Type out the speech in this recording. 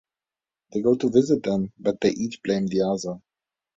They go to visit them, but they each blame the other.